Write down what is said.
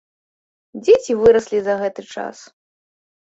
Дзеці выраслі за гэты час.